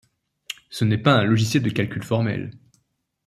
Ce n'est pas un logiciel de calcul formel.